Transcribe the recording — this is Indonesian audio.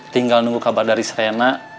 tinggal nunggu kabar dari serena